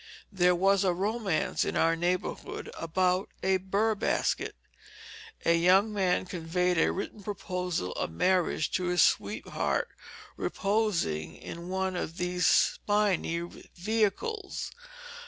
There was a romance in our neighborhood about a bur basket. A young man conveyed a written proposal of marriage to his sweetheart reposing in one of the spiny vehicles.